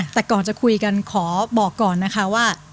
แต่ก่อนจะคุยกันขอบอกก่อนนะคะว่า